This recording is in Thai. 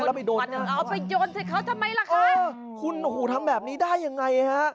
แล้วไปโดนค่ะโอ้โฮทำแบบนี้ได้อย่างไรฮะคุณกวันนึงเอาไปโยนเสร็จเขาทำไมล่ะคะ